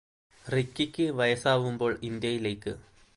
റിക്കിക്ക് വയസ്സാവുമ്പോൾ ഇന്ത്യയിലേക്ക്